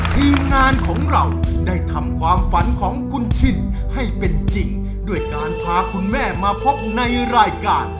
ทีมงานของเราได้ทำความฝันของคุณชินให้เป็นจริงด้วยการพาคุณแม่มาพบในรายการ